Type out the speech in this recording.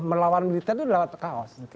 melawan militer itu lewat kaos